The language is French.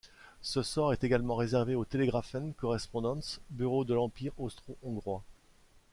Ce sort est également réservé au Telegraphen Korrespondantz Bureau de l'Empire austro-hongrois.